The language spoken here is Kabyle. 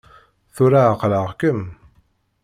Tura ɛeqleɣ-kem!